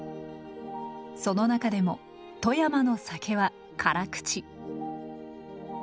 その中でも富山の酒は辛口。